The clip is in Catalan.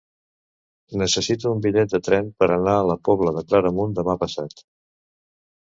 Necessito un bitllet de tren per anar a la Pobla de Claramunt demà passat.